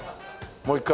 もう一回？